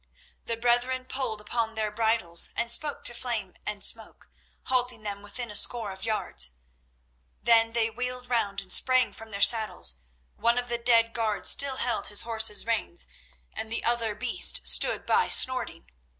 The brethren pulled upon their bridles and spoke to Flame and Smoke, halting them within a score of yards. Then they wheeled round and sprang from their saddles. One of the dead guards still held his horses's reins, and the other beast stood by snorting.